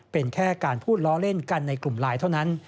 เป็นแค่การพูดล้อเล่นกันในกลุ่มไลน์เท่านั้น